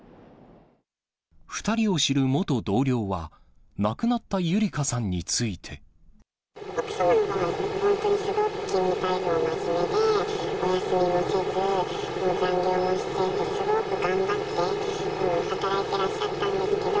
２人を知る元同僚は、奥さんは、本当にすごく勤務態度が真面目で、お休みもせず、残業もしていて、すごく頑張って働いてらっしゃったんですけど。